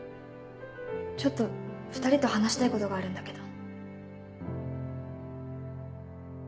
ちょっと２人と話したいことがあるんだけど。